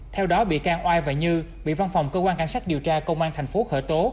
theo đó bị can oai và như bị văn phòng cơ quan cảnh sát điều tra công an thành phố khởi tố